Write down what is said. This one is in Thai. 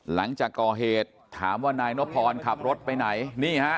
หลังจากก่อเหตุถามว่านายนพรขับรถไปไหนนี่ฮะ